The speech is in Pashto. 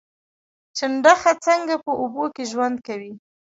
چنډخه څنګه په اوبو کې ژوند کوي؟